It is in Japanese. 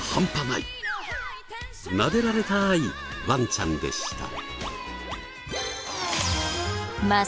なでられたいワンちゃんでした。